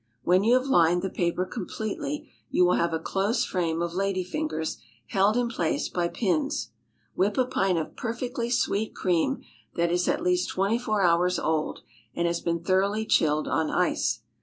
When you have lined the paper completely you will have a close frame of lady fingers held in place by pins. Whip a pint of perfectly sweet cream that is at least twenty four hours old and has been thoroughly chilled on ice.